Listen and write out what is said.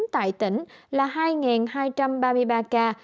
tại tỉnh là hai hai trăm ba mươi ba ca